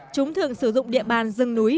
chúng thường sử dụng địa bàn rừng núi